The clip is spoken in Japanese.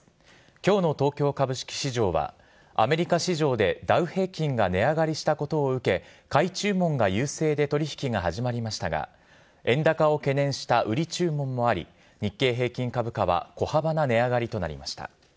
きょうの東京株式市場はアメリカ市場でダウ平均が値上がりしたことを受け、買い注文が優勢で取り引きが始まりましたが、円高を懸念した売り注文もあり、日経平均株価は小幅な値上がりとなりました。